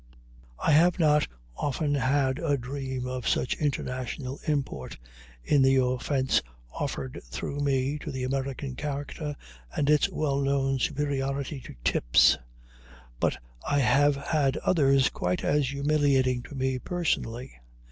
I have not often had a dream of such international import, in the offense offered through me to the American character and its well known superiority to tips, but I have had others quite as humiliating to me personally.